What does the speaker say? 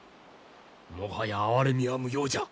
もはや哀れみは無用じゃ。